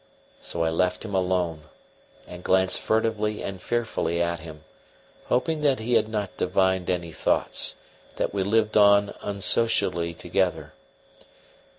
So I left him alone, and glanced furtively and fearfully at him, hoping that he had not divined any thoughts; thus we lived on unsocially together.